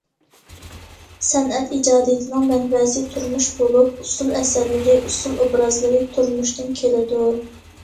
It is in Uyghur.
سەنئەت ئىجادىيىتىنىڭ مەنبەسى تۇرمۇش بولۇپ، ئۇسسۇل ئەسەرلىرى، ئۇسسۇل ئوبرازلىرى تۇرمۇشتىن كېلىدۇ.